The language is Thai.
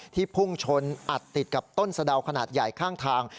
พุ่งชนอัดติดกับต้นสะดาวขนาดใหญ่ข้างทาง